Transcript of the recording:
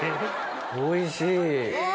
おいしい。